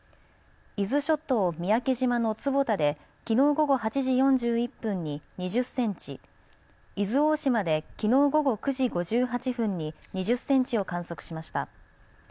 伊豆諸島三宅島の坪田できのう午後８時４１分に２０センチ、伊豆大島できのう午後９時５８分に２０センチを観測しました。